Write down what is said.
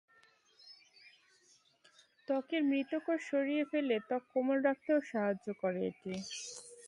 ত্বকের মৃত কোষ সরিয়ে ফেলে ত্বক কোমল রাখতেও সাহায্য করে এটি।